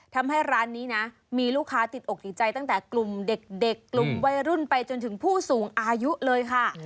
ทำให้ร้านนี้นะมีลูกค้าติดอกติดใจตั้งแต่กลุ่มเด็กกลุ่มวัยรุ่นไปจนถึงผู้สูงอายุเลยค่ะ